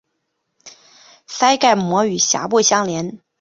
腮盖膜与峡部相连。